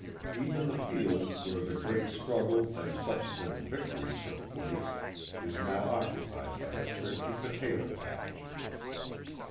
Even the field where the great struggle and subsequent victory took place is now occupied by a thrifty potato patch.